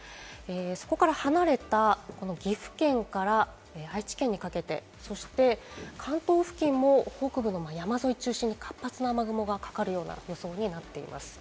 そこから離れた岐阜県から愛知県にかけて、そして、関東付近も北部の山沿いを中心に活発な雨雲がかかるような予想になっています。